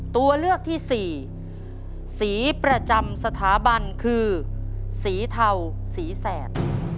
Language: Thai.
ตัวเลือกที่สี่สีประจำสถาบันคือสีเทาสีแสด